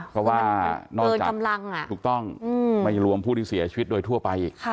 เพราะว่าเกินกำลังถูกต้องไม่รวมผู้ที่เสียชีวิตโดยทั่วไปอีก